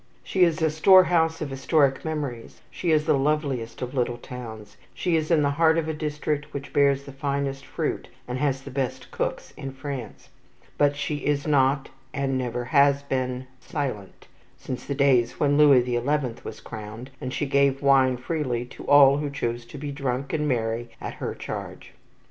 She is a storehouse of historic memories, she is the loveliest of little towns, she is in the heart of a district which bears the finest fruit and has the best cooks in France; but she is not, and never has been, silent, since the days when Louis the Eleventh was crowned, and she gave wine freely to all who chose to be drunk and merry at her charge.